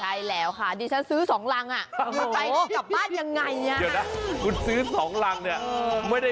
ใช่แล้วดิฉันซื้อสองรังอ่ะ